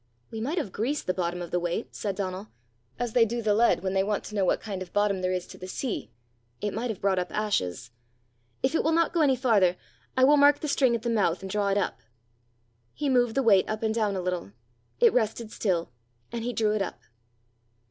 "We might have greased the bottom of the weight," said Donal, "as they do the lead when they want to know what kind of bottom there is to the sea: it might have brought up ashes. If it will not go any farther, I will mark the string at the mouth, and draw it up." He moved the weight up and down a little; it rested still, and he drew it up.